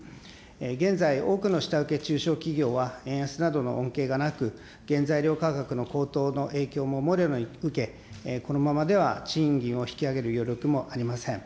現在、多くの下請け、中小企業は円安などの恩恵がなく、原材料価格の高騰の影響ももろに受け、このままでは賃金を引き上げる余力もありません。